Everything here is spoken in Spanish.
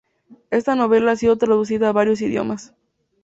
Esta novela ha sido traducida a varios idiomas.